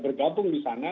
bergabung di sana